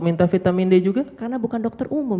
minta vitamin d juga karena bukan dokter umum